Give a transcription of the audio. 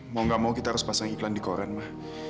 mau gak mau kita harus pasang iklan di koran mah